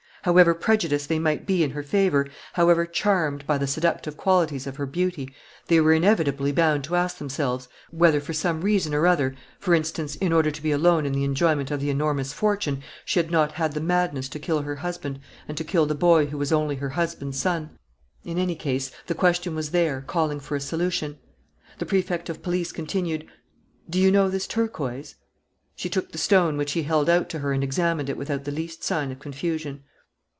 However prejudiced they might be in her favour, however charmed by the seductive qualities of her beauty, they were inevitably bound to ask themselves, whether for some reason or other, for instance, in order to be alone in the enjoyment of the enormous fortune, she had not had the madness to kill her husband and to kill the boy who was only her husband's son. In any case, the question was there, calling for a solution. The Prefect of Police continued: "Do you know this turquoise?" She took the stone which he held out to her and examined it without the least sign of confusion.